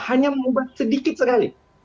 hanya mengubah sedikit sekali